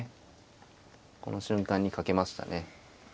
この瞬間にかけましたね。